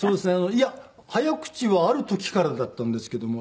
いや早口はある時からだったんですけども。